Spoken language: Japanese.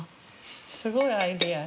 すごいアイデアね。